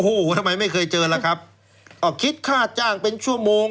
โอ้โหทำไมไม่เคยเจอล่ะครับก็คิดค่าจ้างเป็นชั่วโมง